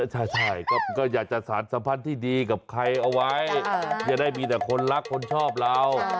ใช่ก็อยากจะสารสัมพันธ์ที่ดีกับใครเอาไว้อย่าได้มีแต่คนรักคนชอบเรา